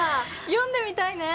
読んでみたいね。